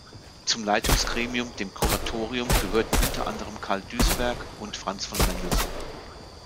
Zum Leitungsgremium, dem Kuratorium, gehörten unter anderem Carl Duisberg und Franz von Mendelssohn.